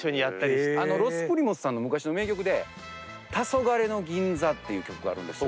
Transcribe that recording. ロス・プリモスさんの昔の名曲で「たそがれの銀座」っていう曲があるんです。